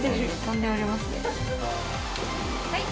はい。